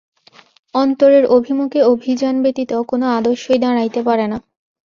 অনন্তের অভিমুখে অভিযান ব্যতীত কোন আদর্শই দাঁড়াইতে পারে না।